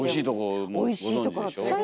おいしいとこもご存じでしょ？